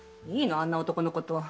あんな男のこと。